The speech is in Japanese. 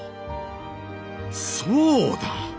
そうだ！